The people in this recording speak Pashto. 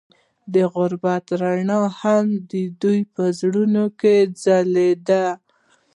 د غروب رڼا هم د دوی په زړونو کې ځلېده.